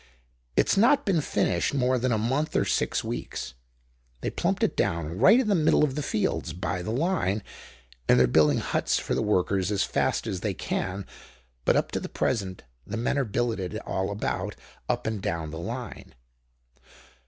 It's not been finished more than a month or six weeks. They plumped it down right in the middle of the fields, by the line, and they're building huts for the workers as fast as they can but up to the present the men are billeted all about, up and down the line.